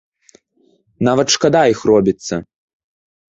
Нават шкада іх робіцца.